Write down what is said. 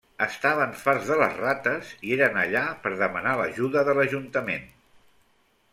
Estaven farts de les rates i eren allà per demanar l'ajuda de l'Ajuntament.